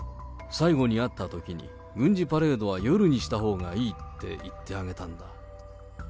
最後に会ったときに、軍事パレードは夜にしたほうがいいって言ってあげたんだ。